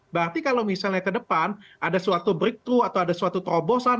berarti kalau misalnya ke depan ada suatu breakthrough atau ada suatu terobosan